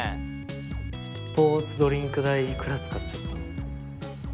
スポーツドリンク代いくら使っちゃった？